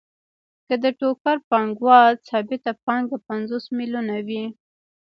که د ټوکر پانګوال ثابته پانګه پنځوس میلیونه وي